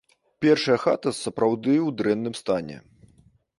Першая хата сапраўды ў дрэнным стане.